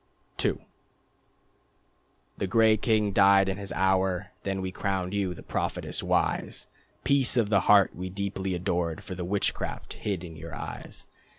II The gray king died in his hour. Then we crowned you, the prophetess wise: Peace of the Heart we deeply adored For the witchcraft hid in your eyes.